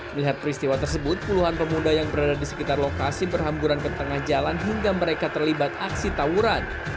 melihat peristiwa tersebut puluhan pemuda yang berada di sekitar lokasi berhamburan ke tengah jalan hingga mereka terlibat aksi tawuran